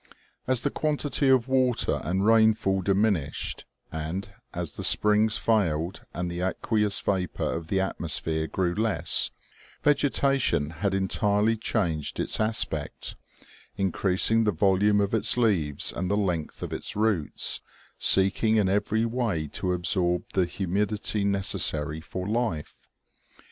As the quantity of water and rainfall diminished, and, as the springs failed and the aqueous vapor of the atmos phere grew less, vegetation had entirely changed its aspect, increasing the volume of its leaves and the length of its roots, seeking in every way to absorb the humidity necessary for life.